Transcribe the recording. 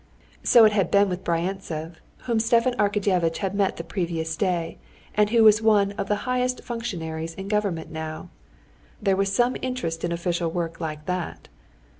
So it had been with Bryantsev, whom Stepan Arkadyevitch had met the previous day, and who was one of the highest functionaries in government now. There was some interest in official work like that.